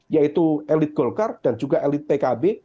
yaitu elit golkar dan juga elit pkb